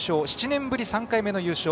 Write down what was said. ７年ぶり３回目の優勝。